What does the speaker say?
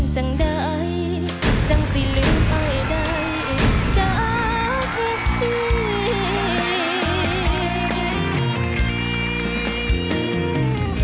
ยังได้จังสิลืมไอ้ใดจากเมื่อที